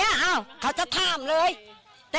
ที่ก่อนของเขาก็ได้ล้วงไป